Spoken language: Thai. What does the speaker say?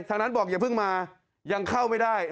นั้นบอกอย่าเพิ่งมายังเข้าไม่ได้